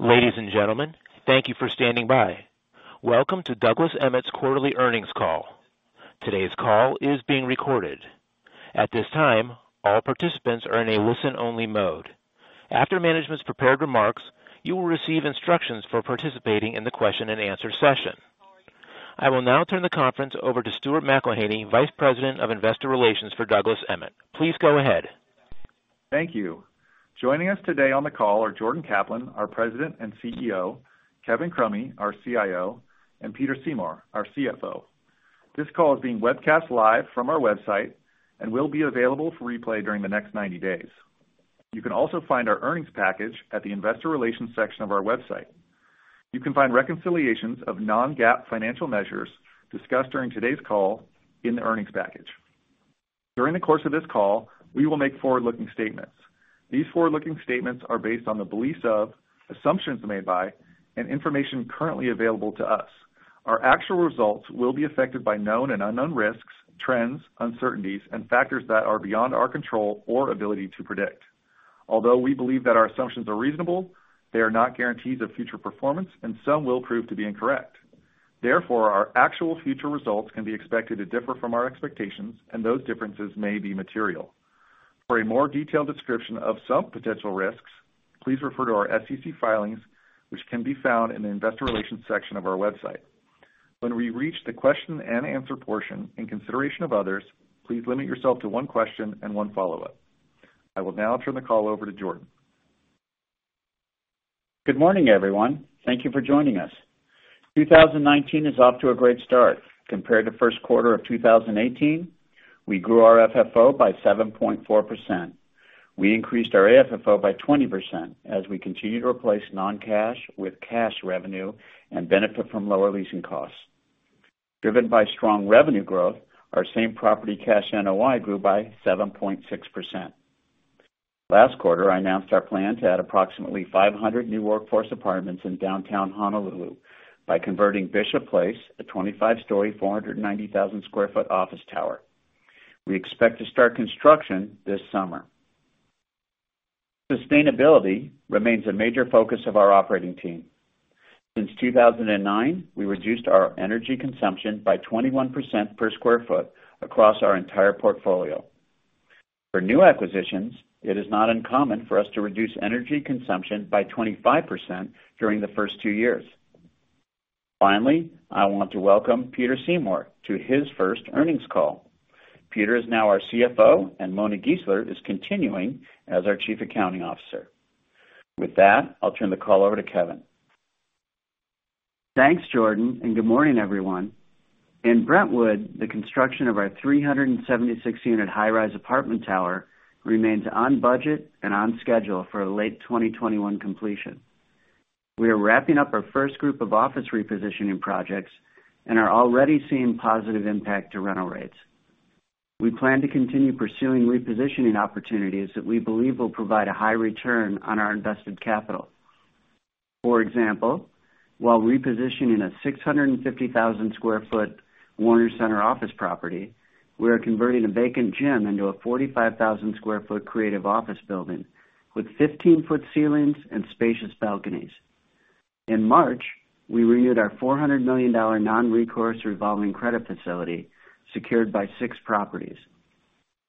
Ladies and gentlemen, thank you for standing by. Welcome to Douglas Emmett's quarterly earnings call. Today's call is being recorded. At this time, all participants are in a listen-only mode. After management's prepared remarks, you will receive instructions for participating in the question and answer session. I will now turn the conference over to Stuart McElhinney, Vice President of Investor Relations for Douglas Emmett. Please go ahead. Thank you. Joining us today on the call are Jordan Kaplan, our President and CEO, Kevin Crummy, our CIO, and Peter Seymour, our CFO. This call is being webcast live from our website and will be available for replay during the next 90 days. You can also find our earnings package at the investor relations section of our website. You can find reconciliations of non-GAAP financial measures discussed during today's call in the earnings package. During the course of this call, we will make forward-looking statements. These forward-looking statements are based on the beliefs of, assumptions made by, and information currently available to us. Our actual results will be affected by known and unknown risks, trends, uncertainties, and factors that are beyond our control or ability to predict. Although we believe that our assumptions are reasonable, they are not guarantees of future performance, and some will prove to be incorrect. Therefore, our actual future results can be expected to differ from our expectations, and those differences may be material. For a more detailed description of some potential risks, please refer to our SEC filings, which can be found in the investor relations section of our website. When we reach the question and answer portion, in consideration of others, please limit yourself to one question and one follow-up. I will now turn the call over to Jordan. Good morning, everyone. Thank you for joining us. 2019 is off to a great start. Compared to first quarter of 2018, we grew our FFO by 7.4%. We increased our AFFO by 20% as we continue to replace non-cash with cash revenue and benefit from lower leasing costs. Driven by strong revenue growth, our same property cash NOI grew by 7.6%. Last quarter, I announced our plan to add approximately 500 new workforce apartments in downtown Honolulu by converting Bishop Place, a 25-story, 490,000 sq ft office tower. We expect to start construction this summer. Sustainability remains a major focus of our operating team. Since 2009, we reduced our energy consumption by 21% per sq ft across our entire portfolio. For new acquisitions, it is not uncommon for us to reduce energy consumption by 25% during the first two years. Finally, I want to welcome Peter Seymour to his first earnings call. Peter is now our CFO, and Mona Gisler is continuing as our Chief Accounting Officer. With that, I'll turn the call over to Kevin. Thanks, Jordan. Good morning, everyone. In Brentwood, the construction of our 376-unit high-rise apartment tower remains on budget and on schedule for a late 2021 completion. We are wrapping up our first group of office repositioning projects and are already seeing positive impact to rental rates. We plan to continue pursuing repositioning opportunities that we believe will provide a high return on our invested capital. For example, while repositioning a 650,000 sq ft Warner Center office property, we are converting a vacant gym into a 45,000 sq ft creative office building with 15-foot ceilings and spacious balconies. In March, we renewed our $400 million non-recourse revolving credit facility secured by six properties.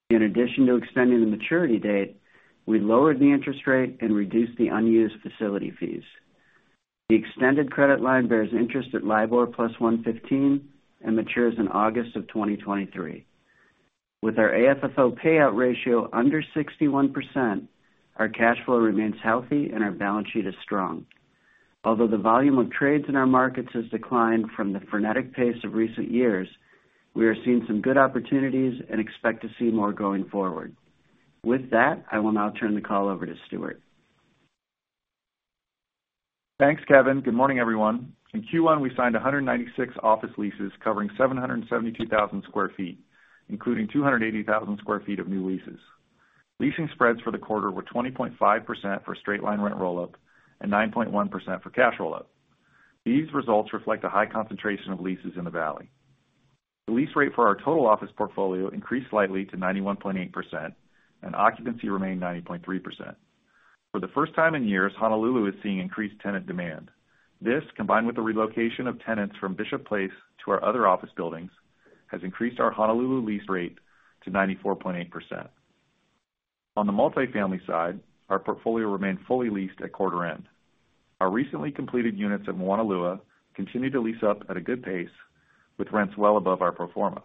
In addition to extending the maturity date, we lowered the interest rate and reduced the unused facility fees. The extended credit line bears interest at LIBOR plus 115 and matures in August of 2023. With our AFFO payout ratio under 61%, our cash flow remains healthy and our balance sheet is strong. Although the volume of trades in our markets has declined from the frenetic pace of recent years, we are seeing some good opportunities and expect to see more going forward. With that, I will now turn the call over to Stuart. Thanks, Kevin. Good morning, everyone. In Q1, we signed 196 office leases covering 772,000 sq ft, including 280,000 sq ft of new leases. Leasing spreads for the quarter were 20.5% for straight-line rent rollout and 9.1% for cash rollout. These results reflect a high concentration of leases in the valley. The lease rate for our total office portfolio increased slightly to 91.8%, and occupancy remained 90.3%. For the first time in years, Honolulu is seeing increased tenant demand. This, combined with the relocation of tenants from Bishop Place to our other office buildings, has increased our Honolulu lease rate to 94.8%. On the multifamily side, our portfolio remained fully leased at quarter end. Our recently completed units at Moanalua continue to lease up at a good pace with rents well above our pro forma.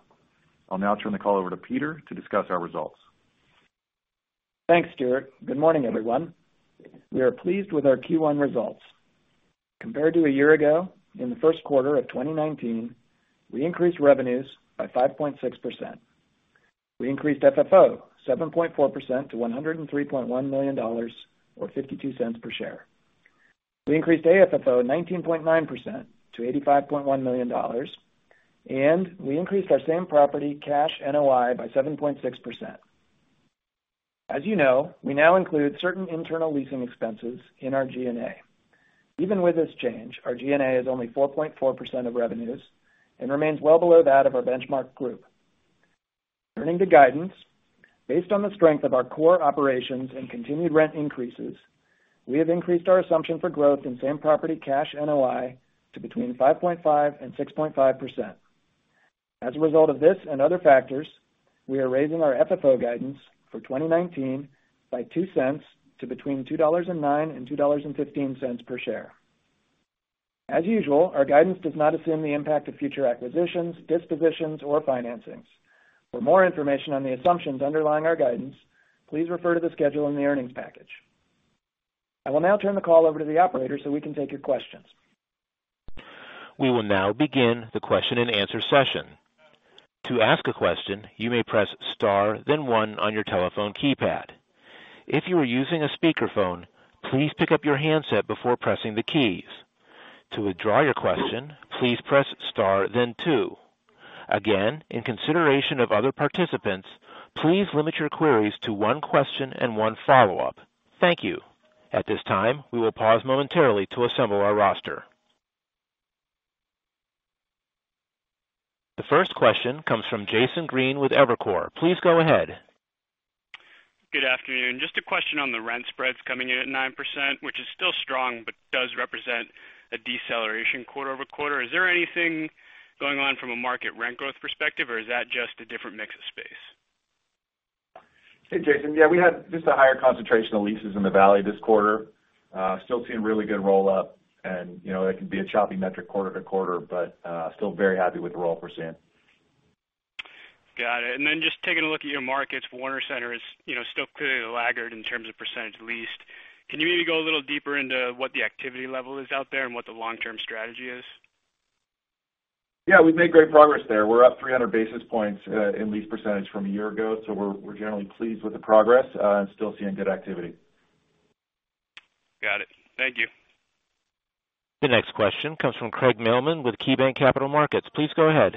I'll now turn the call over to Peter to discuss our results. Thanks, Stuart. Good morning, everyone. We are pleased with our Q1 results. Compared to a year ago, in the first quarter of 2019, we increased revenues by 5.6%. We increased FFO 7.4% to $103.1 million, or $0.52 per share. We increased AFFO 19.9% to $85.1 million, and we increased our same property cash NOI by 7.6%. As you know, we now include certain internal leasing expenses in our G&A. Even with this change, our G&A is only 4.4% of revenues and remains well below that of our benchmark group. Turning to guidance. Based on the strength of our core operations and continued rent increases, we have increased our assumption for growth in same-property cash NOI to between 5.5% and 6.5%. As a result of this and other factors, we are raising our FFO guidance for 2019 by $0.02 to between $2.09 and $2.15 per share. As usual, our guidance does not assume the impact of future acquisitions, dispositions, or financings. For more information on the assumptions underlying our guidance, please refer to the schedule in the earnings package. I will now turn the call over to the operator so we can take your questions. We will now begin the question and answer session. To ask a question, you may press star then one on your telephone keypad. If you are using a speakerphone, please pick up your handset before pressing the keys. To withdraw your question, please press star then two. Again, in consideration of other participants, please limit your queries to one question and one follow-up. Thank you. At this time, we will pause momentarily to assemble our roster. The first question comes from Jason Green with Evercore. Please go ahead. Good afternoon. Just a question on the rent spreads coming in at 9%, which is still strong, but does represent a deceleration quarter-over-quarter. Is there anything going on from a market rent growth perspective, or is that just a different mix of space? Hey, Jason. Yeah, we had just a higher concentration of leases in the Valley this quarter. Still seeing really good roll-up, and that can be a choppy metric quarter to quarter, but still very happy with the roll we're seeing. Got it. Just taking a look at your markets, Warner Center is still clearly the laggard in terms of % leased. Can you maybe go a little deeper into what the activity level is out there and what the long-term strategy is? Yeah, we've made great progress there. We're up 300 basis points in lease % from a year ago, so we're generally pleased with the progress and still seeing good activity. Got it. Thank you. The next question comes from Craig Mailman with KeyBanc Capital Markets. Please go ahead.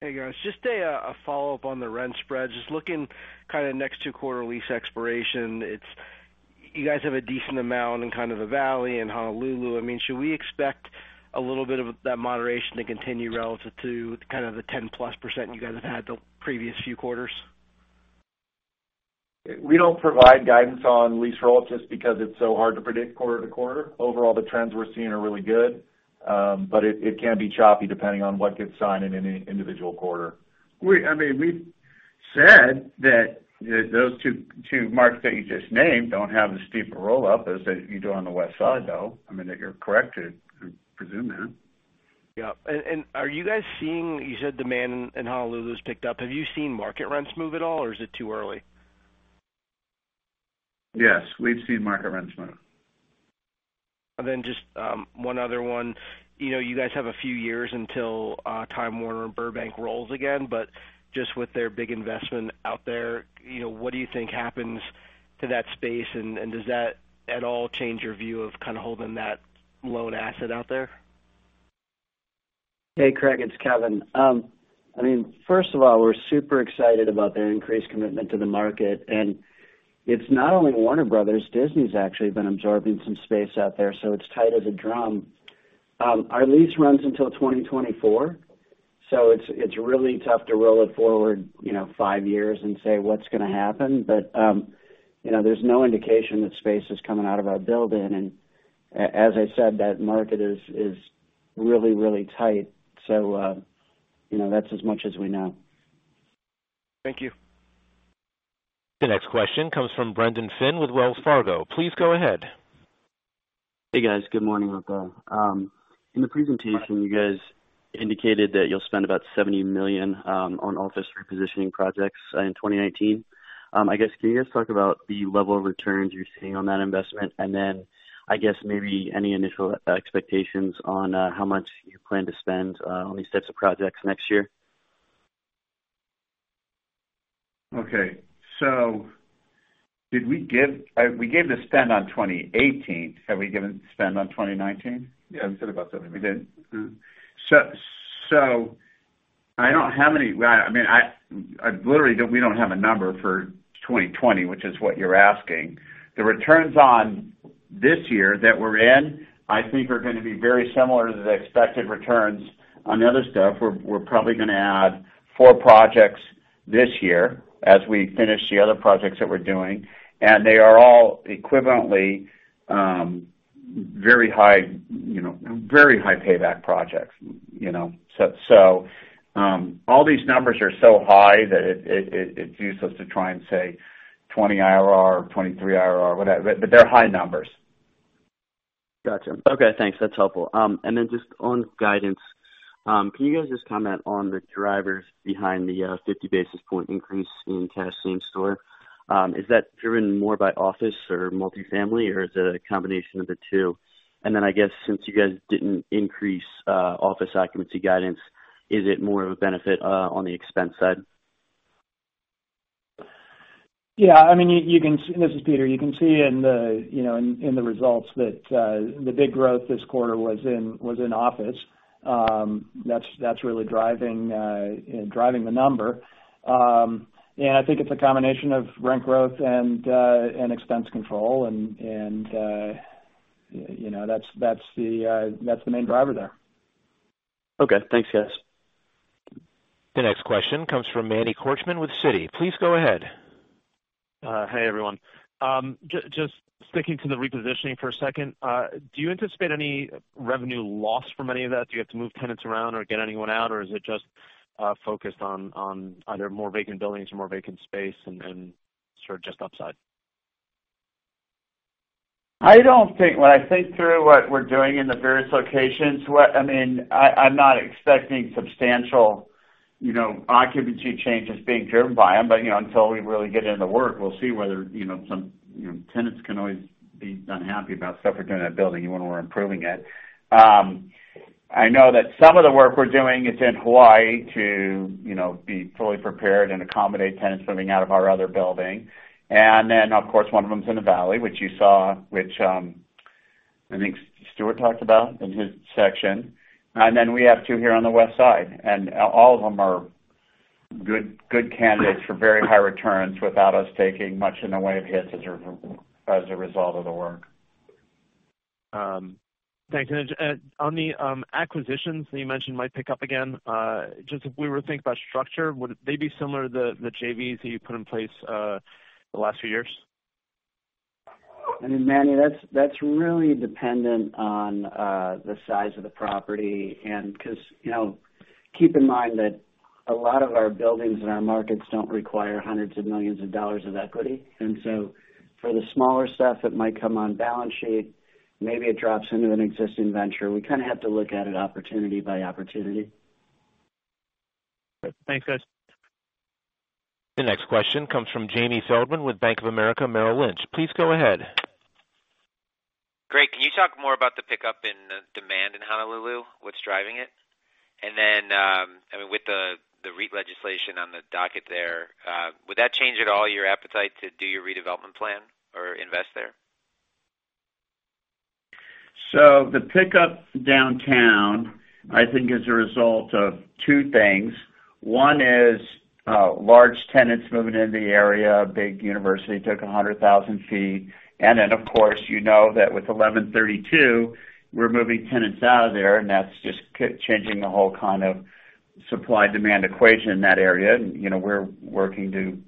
Hey, guys. Just a follow-up on the rent spread. Just looking kind of next two-quarter lease expiration, you guys have a decent amount in kind of the Valley and Honolulu. Should we expect a little bit of that moderation to continue relative to kind of the 10+% you guys have had the previous few quarters? We don't provide guidance on lease roll-ups just because it's so hard to predict quarter to quarter. Overall, the trends we're seeing are really good. It can be choppy depending on what gets signed in any individual quarter. We said that those two markets that you just named don't have the steep roll-up as you do on the Westside, though. You're correct to presume that. Yep. You said demand in Honolulu's picked up. Have you seen market rents move at all, or is it too early? Yes, we've seen market rents move. Just one other one. You guys have a few years until Time Warner and Burbank rolls again. Just with their big investment out there, what do you think happens to that space, and does that at all change your view of kind of holding that lone asset out there? Hey, Craig, it's Kevin. First of all, we're super excited about their increased commitment to the market. It's not only Warner Bros. Disney's actually been absorbing some space out there, so it's tight as a drum. Our lease runs until 2024, so it's really tough to roll it forward five years and say what's going to happen. There's no indication that space is coming out of our building. As I said, that market is really tight. That's as much as we know. Thank you. The next question comes from Brendan Finn with Wells Fargo. Please go ahead. Hey, guys. Good morning, everyone. In the presentation, you guys indicated that you'll spend about $70 million on office repositioning projects in 2019. I guess, can you guys talk about the level of returns you're seeing on that investment? Then, I guess maybe any initial expectations on how much you plan to spend on these types of projects next year? Okay. We gave the spend on 2018. Have we given the spend on 2019? Yeah, we said about $70 million. We did? Literally, we don't have a number for 2020, which is what you're asking. The returns on this year that we're in, I think, are going to be very similar to the expected returns on the other stuff. We're probably going to add four projects this year as we finish the other projects that we're doing, and they are all equivalently very high payback projects. All these numbers are so high that it's useless to try and say 20 IRR or 23 IRR, whatever, but they're high numbers. Got you. Okay, thanks. That's helpful. Just on guidance, can you guys just comment on the drivers behind the 50-basis-point increase in cash same store? Is that driven more by office or multi-family, or is it a combination of the two? I guess since you guys didn't increase office occupancy guidance, is it more of a benefit on the expense side? Yeah. This is Peter. You can see in the results that the big growth this quarter was in office. That's really driving the number. I think it's a combination of rent growth and expense control, and that's the main driver there. Okay. Thanks guys. The next question comes from Emmanuel Korchman with Citi. Please go ahead. Hey, everyone. Just sticking to the repositioning for a second, do you anticipate any revenue loss from any of that? Do you have to move tenants around or get anyone out, or is it just focused on either more vacant buildings or more vacant space and sort of just upside? When I think through what we're doing in the various locations, I'm not expecting substantial occupancy changes being driven by them. Until we really get in the work, we'll see whether some tenants can always be unhappy about stuff we do in a building even when we're improving it. I know that some of the work we're doing is in Hawaii to be fully prepared and accommodate tenants moving out of our other building. Of course, one of them is in the Valley, which you saw, which I think Stuart talked about in his section. We have two here on the West Side, and all of them are good candidates for very high returns without us taking much in the way of hits as a result of the work. Thanks. On the acquisitions that you mentioned might pick up again, just if we were to think about structure, would they be similar to the JVs that you put in place the last few years? I mean, Emmanuel, that's really dependent on the size of the property, because, keep in mind that a lot of our buildings in our markets don't require hundreds of millions of dollars of equity. For the smaller stuff that might come on balance sheet, maybe it drops into an existing venture. We kind of have to look at it opportunity by opportunity. Thanks, guys. The next question comes from James Feldman with Bank of America Merrill Lynch. Please go ahead. Great, can you talk more about the pickup in demand in Honolulu, what's driving it? With the REIT legislation on the docket there, would that change at all your appetite to do your redevelopment plan or invest there? The pickup downtown, I think is a result of two things. One is, large tenants moving into the area. A big university took 100,000 feet. Of course, you know that with 1132, we're moving tenants out of there, and that's just changing the whole kind of supply-demand equation in that area. We're working to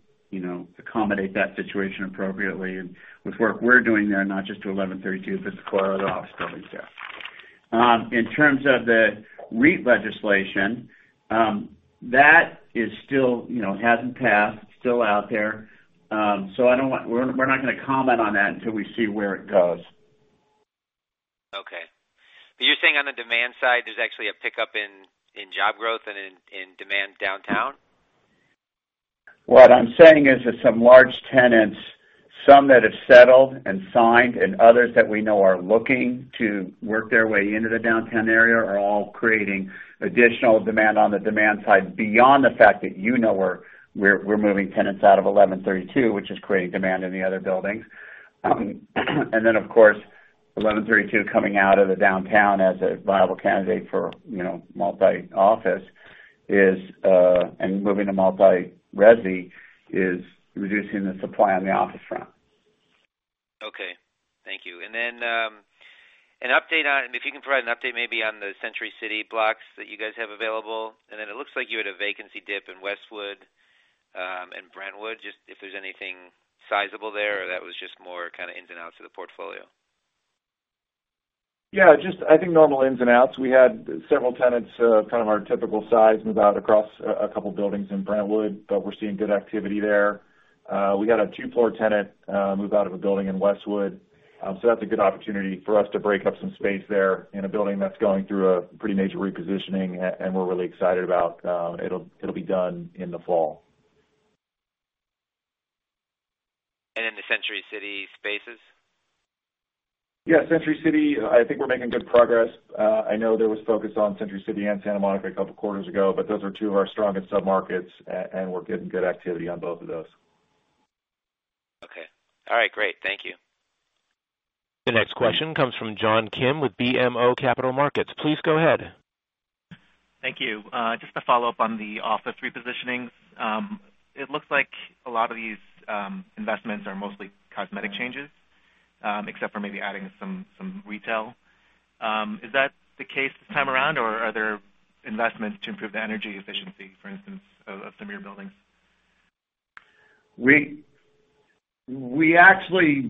accommodate that situation appropriately and with work we're doing there, not just to 1132, but to four other office buildings there. In terms of the REIT legislation, that still hasn't passed. It's still out there. We're not going to comment on that until we see where it goes. Okay. You're saying on the demand side, there's actually a pickup in job growth and in demand downtown? What I'm saying is that some large tenants, some that have settled and signed and others that we know are looking to work their way into the downtown area, are all creating additional demand on the demand side beyond the fact that you know we're moving tenants out of 1132, which is creating demand in the other buildings. Of course, 1132 coming out of the downtown as a viable candidate for multi-office and moving to multi-resi is reducing the supply on the office front. Okay. Thank you. If you can provide an update maybe on the Century City blocks that you guys have available. It looks like you had a vacancy dip in Westwood and Brentwood, just if there's anything sizable there, or that was just more kind of ins and outs of the portfolio. Yeah. Just, I think, normal ins and outs. We had several tenants, kind of our typical size, move out across a couple buildings in Brentwood, but we're seeing good activity there. We had a two-floor tenant move out of a building in Westwood. That's a good opportunity for us to break up some space there in a building that's going through a pretty major repositioning, and we're really excited about. It'll be done in the fall. The Century City spaces? Yeah. Century City, I think we're making good progress. I know there was focus on Century City and Santa Monica a couple of quarters ago, but those are two of our strongest sub-markets, and we're getting good activity on both of those. Okay. All right. Great. Thank you. The next question comes from John Kim with BMO Capital Markets. Please go ahead. Thank you. Just to follow up on the office repositionings. It looks like a lot of these investments are mostly cosmetic changes, except for maybe adding some retail. Is that the case this time around, or are there investments to improve the energy efficiency, for instance, of some of your buildings? We've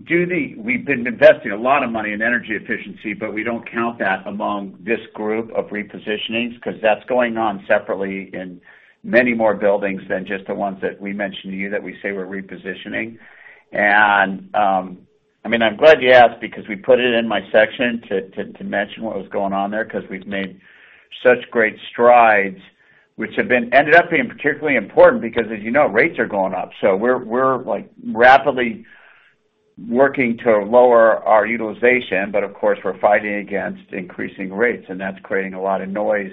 been investing a lot of money in energy efficiency, we don't count that among this group of repositionings, because that's going on separately in many more buildings than just the ones that we mention to you that we say we're repositioning. I'm glad you asked because we put it in my section to mention what was going on there because we've made such great strides, which have ended up being particularly important because, as you know, rates are going up. We're rapidly working to lower our utilization. Of course, we're fighting against increasing rates, and that's creating a lot of noise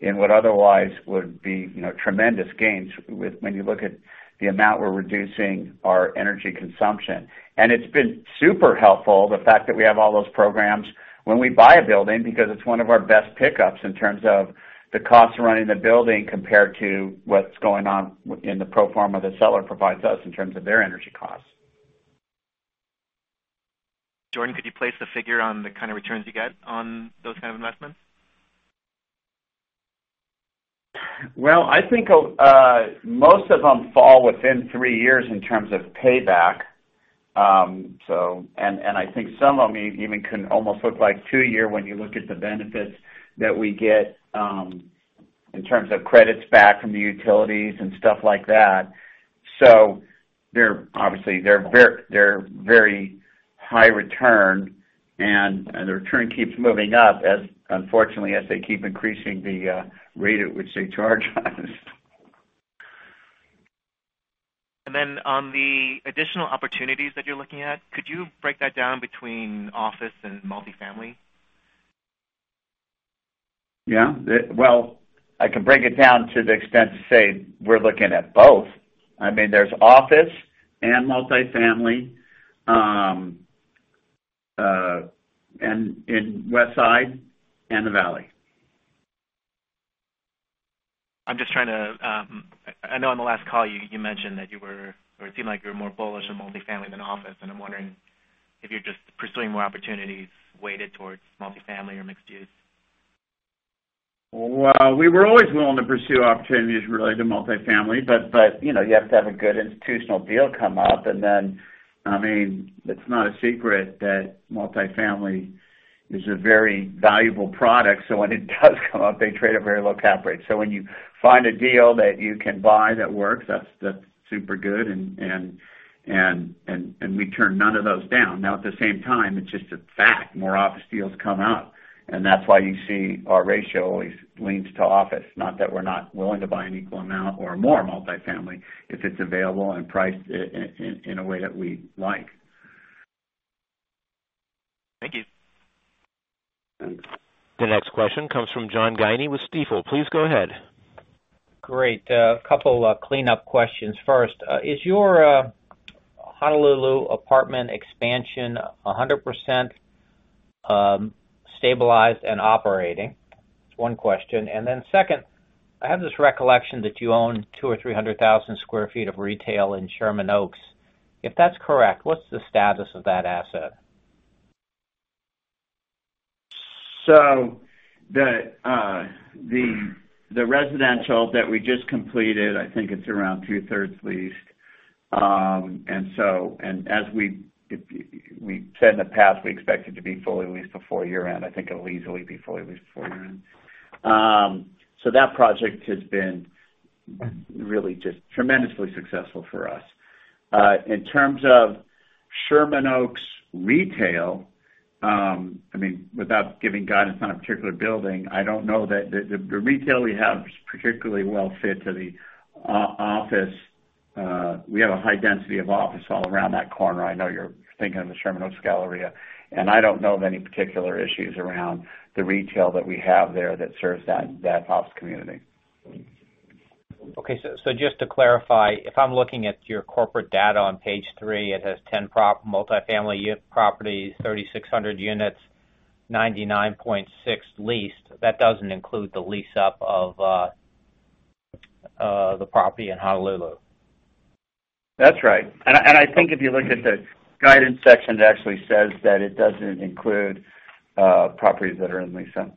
in what otherwise would be tremendous gains when you look at the amount we're reducing our energy consumption. It's been super helpful, the fact that we have all those programs when we buy a building, because it's one of our best pickups in terms of the cost of running the building compared to what's going on in the pro forma the seller provides us in terms of their energy costs. Jordan, could you place a figure on the kind of returns you get on those kind of investments? Well, I think most of them fall within three years in terms of payback. I think some of them even can almost look like two-year, when you look at the benefits that we get, in terms of credits back from the utilities and stuff like that. Obviously, they're very high return, and the return keeps moving up, unfortunately, as they keep increasing the rate at which they charge us. On the additional opportunities that you're looking at, could you break that down between office and multifamily? Yeah. Well, I can break it down to the extent to say we're looking at both. There's office and multifamily, and in Westside and the Valley. I know on the last call you mentioned that you were, or it seemed like you were more bullish on multifamily than office, and I'm wondering if you're just pursuing more opportunities weighted towards multifamily or mixed use. Well, we were always willing to pursue opportunities related to multifamily, but you have to have a good institutional deal come up, and then, it's not a secret that multifamily is a very valuable product, so when it does come up, they trade at very low cap rates. When you find a deal that you can buy that works, that's super good, and we turn none of those down. Now, at the same time, it's just a fact, more office deals come up, and that's why you see our ratio always leans to office. Not that we're not willing to buy an equal amount or more multifamily if it's available and priced in a way that we like. Thank you. The next question comes from John Guinee with Stifel. Please go ahead. Great. A couple clean-up questions. First, is your Honolulu apartment expansion 100% stabilized and operating? That's one question. Then second, I have this recollection that you own 200,000 or 300,000 sq ft of retail in Sherman Oaks. If that's correct, what's the status of that asset? The residential that we just completed, I think it's around two-thirds leased. As we've said in the past, we expect it to be fully leased before year-end. I think it'll easily be fully leased before year-end. That project has been really just tremendously successful for us. In terms of Sherman Oaks retail, without giving guidance on a particular building, I don't know that the retail we have is particularly well-fit to the office. We have a high density of office all around that corner. I know you're thinking of the Sherman Oaks Galleria, and I don't know of any particular issues around the retail that we have there that serves that office community. Okay. Just to clarify, if I'm looking at your corporate data on page three, it has 10 multifamily unit properties, 3,600 units, 99.6 leased. That doesn't include the lease-up of the property in Honolulu. That's right. I think if you look at the guidance section, it actually says that it doesn't include properties that are in lease-up.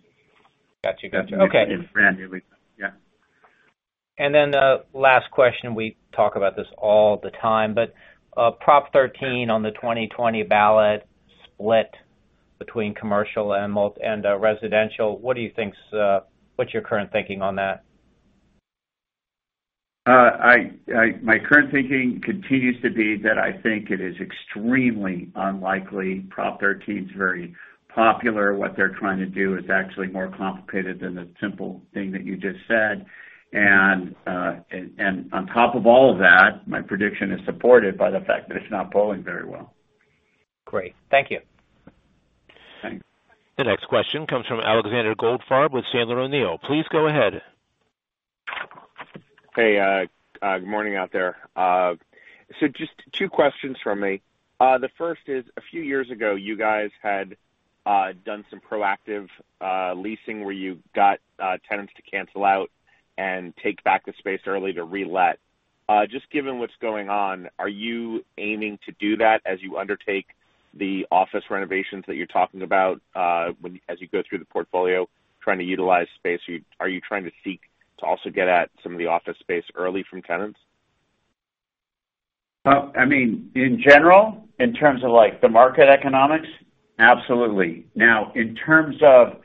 Got you. Okay. Brand new lease-up. Yeah. last question, we talk about this all the time, but Proposition 13 on the 2020 ballot split between commercial and residential. What's your current thinking on that? My current thinking continues to be that I think it is extremely unlikely. Proposition 13's very popular. What they're trying to do is actually more complicated than the simple thing that you just said. On top of all of that, my prediction is supported by the fact that it's not polling very well. Great. Thank you. Thanks. The next question comes from Alexander Goldfarb with Sandler O'Neill. Please go ahead. Hey, good morning out there. Just two questions from me. The first is, a few years ago, you guys had done some proactive leasing where you got tenants to cancel out and take back the space early to relet. Just given what's going on, are you aiming to do that as you undertake the office renovations that you're talking about, as you go through the portfolio trying to utilize space? Are you trying to seek to also get at some of the office space early from tenants? In general, in terms of the market economics, absolutely. Now, in terms of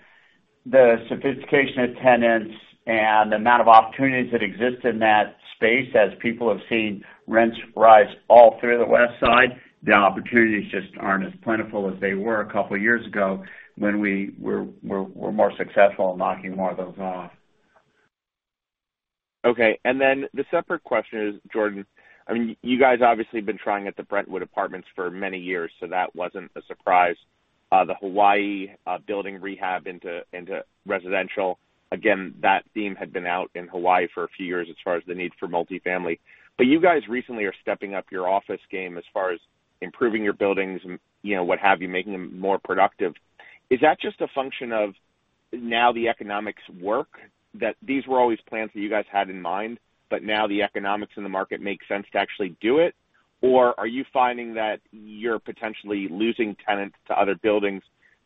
the sophistication of tenants and the amount of opportunities that exist in that space, as people have seen rents rise all through the Westside, the opportunities just aren't as plentiful as they were a couple of years ago, when we were more successful in knocking more of those off. Okay. The separate question is, Jordan, you guys obviously have been trying at the Brentwood Apartments for many years, so that wasn't a surprise. The Hawaii building rehab into residential, again, that theme had been out in Hawaii for a few years as far as the need for multifamily. You guys recently are stepping up your office game as far as improving your buildings and what have you, making them more productive. Is that just a function of now the economics work, that these were always plans that you guys had in mind, but now the economics in the market make sense to actually do it? Or are you finding that you're potentially losing tenants to other buildings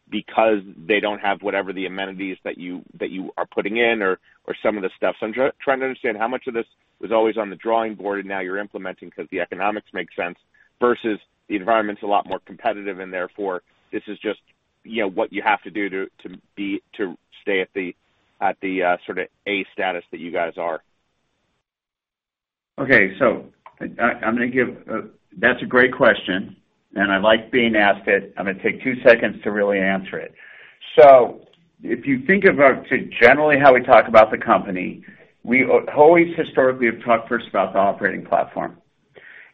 because they don't have whatever the amenities that you are putting in, or some of the stuff? I'm trying to understand how much of this was always on the drawing board and now you're implementing because the economics make sense, versus the environment's a lot more competitive and therefore, this is just what you have to do to stay at the A status that you guys are. Okay. That's a great question, and I like being asked it. I'm going to take two seconds to really answer it. If you think about, generally, how we talk about the company, we always historically have talked first about the operating platform.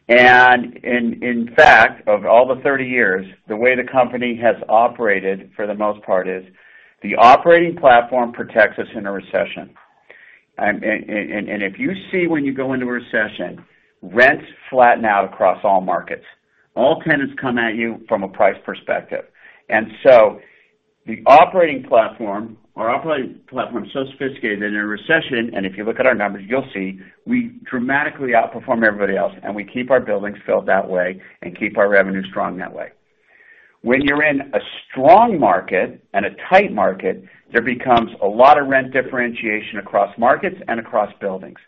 In fact, of all the 30 years, the way the company has operated, for the most part, is the operating platform protects us in a recession. If you see when you go into a recession, rents flatten out across all markets. All tenants come at you from a price perspective. Our operating platform is so sophisticated in a recession, and if you look at our numbers, you'll see we dramatically outperform everybody else, and we keep our buildings filled that way and keep our revenue strong that way. When you're in a strong market and a tight market, there becomes a lot of rent differentiation across markets and across buildings.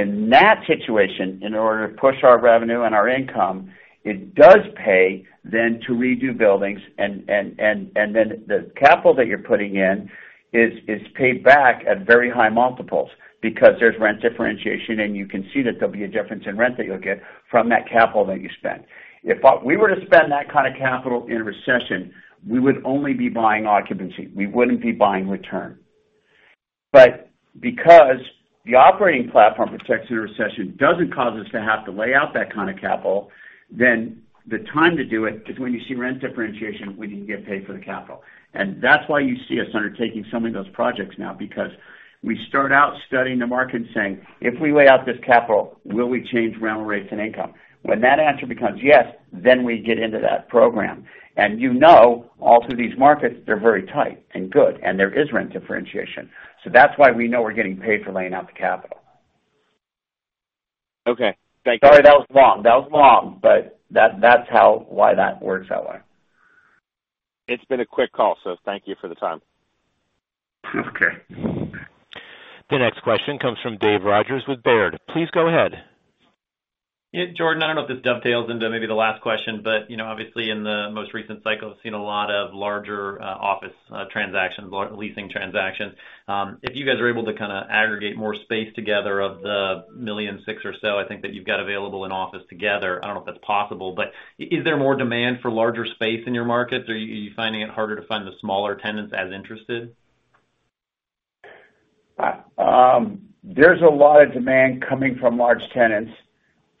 In that situation, in order to push our revenue and our income, it does pay then to redo buildings, and then the capital that you're putting in is paid back at very high multiples because there's rent differentiation, and you can see that there'll be a difference in rent that you'll get from that capital that you spent. If we were to spend that kind of capital in a recession, we would only be buying occupancy. We wouldn't be buying return. Because the operating platform protects in a recession, doesn't cause us to have to lay out that kind of capital, the time to do it is when you see rent differentiation, when you can get paid for the capital. That's why you see us undertaking so many of those projects now, because we start out studying the market and saying, "If we lay out this capital, will we change rental rates and income?" When that answer becomes yes, then we get into that program. You know all through these markets, they're very tight and good, and there is rent differentiation. That's why we know we're getting paid for laying out the capital. Okay. Thank you. Sorry, that was long. That was long, that's why that works that way. It's been a quick call, thank you for the time. Okay. The next question comes from David Rodgers with Baird. Please go ahead. Yeah, Jordan, I don't know if this dovetails into maybe the last question. Obviously in the most recent cycle, we've seen a lot of larger office transactions, leasing transactions. If you guys are able to aggregate more space together of the $1.6 million or so, I think that you've got available in office together. I don't know if that's possible, is there more demand for larger space in your markets, or are you finding it harder to find the smaller tenants as interested? There's a lot of demand coming from large tenants.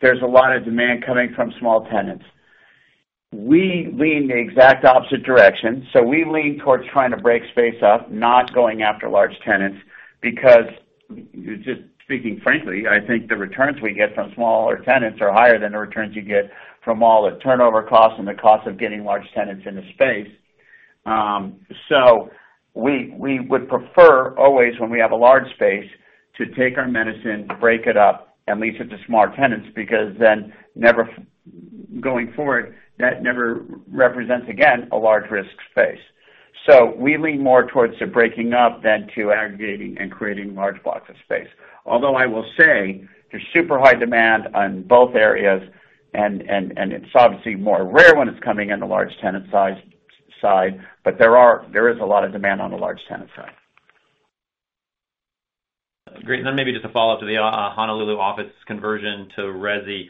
There's a lot of demand coming from small tenants. We lean the exact opposite direction. We lean towards trying to break space up, not going after large tenants, because, just speaking frankly, I think the returns we get from smaller tenants are higher than the returns you get from all the turnover costs and the cost of getting large tenants in the space. We would prefer always when we have a large space to take our medicine, break it up, and lease it to small tenants, because then going forward, that never represents, again, a large risk space. We lean more towards the breaking up than to aggregating and creating large blocks of space. I will say there's super high demand on both areas, and it's obviously more rare when it's coming in the large tenant side, but there is a lot of demand on the large tenant side. Great. Maybe just a follow-up to the Honolulu office conversion to resi.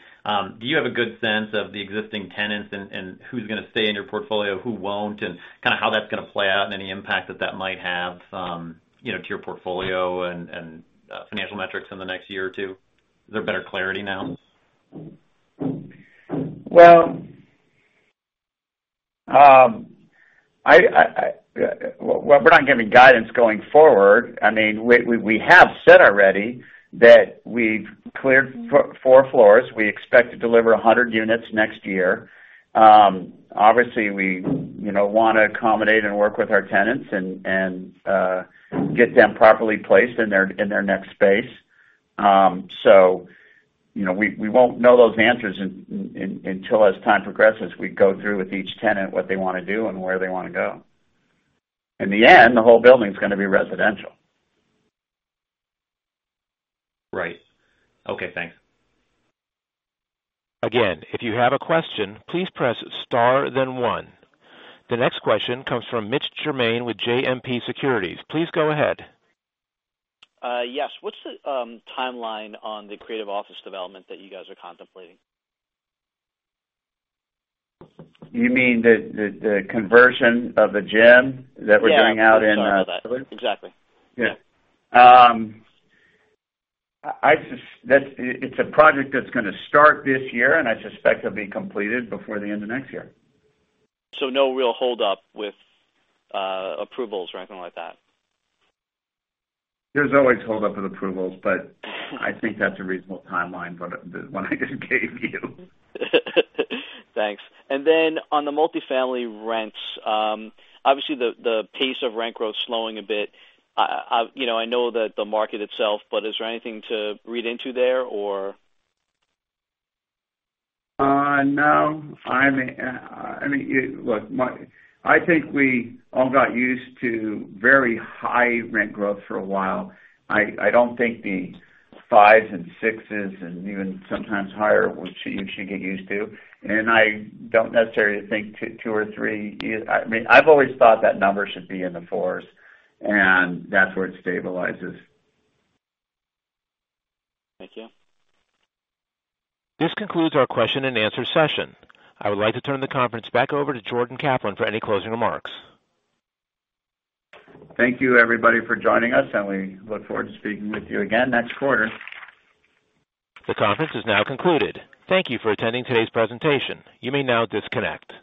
Do you have a good sense of the existing tenants and who's going to stay in your portfolio, who won't, and kind of how that's going to play out and any impact that that might have to your portfolio and financial metrics in the next year or two? Is there better clarity now? Well, we're not giving guidance going forward. We have said already that we've cleared four floors. We expect to deliver 100 units next year. Obviously, we want to accommodate and work with our tenants and get them properly placed in their next space. We won't know those answers until as time progresses, we go through with each tenant what they want to do and where they want to go. In the end, the whole building's going to be residential. Right. Okay, thanks. Again, if you have a question, please press star then one. The next question comes from Mitch Germain with JMP Securities. Please go ahead. Yes. What's the timeline on the creative office development that you guys are contemplating? You mean the conversion of the gym that we're doing out in- Yeah. Sorry about that. Exactly. Yeah. It's a project that's going to start this year, and I suspect it'll be completed before the end of next year. No real hold up with approvals or anything like that? There's always hold up with approvals, but I think that's a reasonable timeline, the one I just gave you. Thanks. Then on the multifamily rents, obviously the pace of rent growth slowing a bit. I know that the market itself, is there anything to read into there or? No. I think we all got used to very high rent growth for a while. I don't think the fives and sixes and even sometimes higher, we should get used to. I don't necessarily think two or three is. I've always thought that number should be in the fours, and that's where it stabilizes. Thank you. This concludes our question and answer session. I would like to turn the conference back over to Jordan Kaplan for any closing remarks. Thank you, everybody, for joining us, and we look forward to speaking with you again next quarter. The conference is now concluded. Thank you for attending today's presentation. You may now disconnect.